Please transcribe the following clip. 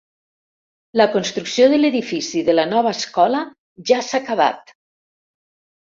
La construcció de l'edifici de la nova escola ja s'ha acabat.